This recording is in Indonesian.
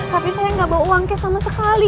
tapi saya gak bawa uang kes sama sekali